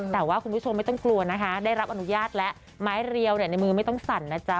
แต่ว่าคุณผู้ชมไม่ต้องกลัวนะคะได้รับอนุญาตแล้วไม้เรียวในมือไม่ต้องสั่นนะจ๊ะ